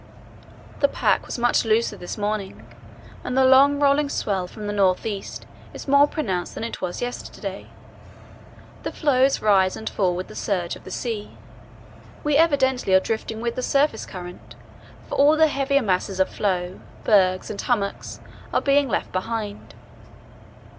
"The pack was much looser this morning, and the long rolling swell from the north east is more pronounced than it was yesterday. The floes rise and fall with the surge of the sea. We evidently are drifting with the surface current, for all the heavier masses of floe, bergs, and hummocks are being left behind.